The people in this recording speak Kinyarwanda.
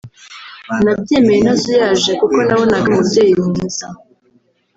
nabyemeye ntazuyaje kuko nabonaga ari umubyeyi mwiza